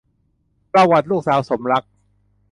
ประวัติลูกสาวสมรักษ์